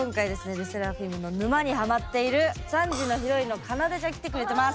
ＬＥＳＳＥＲＡＦＩＭの沼にハマっている３時のヒロインのかなでちゃん来てくれてます。